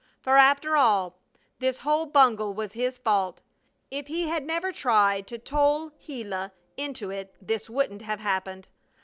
For, after all, this whole bungle was his fault. If he had never tried to tole Gila into it this wouldn't have happened.